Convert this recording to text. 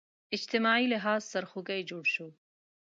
اجتماعي لحاظ سرخوږی جوړ شو